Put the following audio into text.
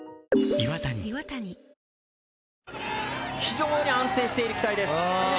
非常に安定している機体です。